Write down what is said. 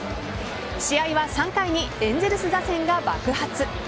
試合は３回にエンゼルス打線が爆発。